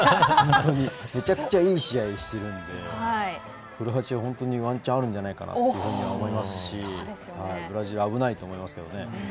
めちゃくちゃいい試合してるんでクロアチア、本当にワンチャンあるんじゃないかなというふうに思いますし、ブラジル危ないと思いますけどね。